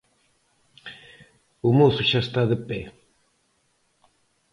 O mozo xa está de pé.